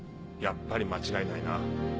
やっぱり間違いないな。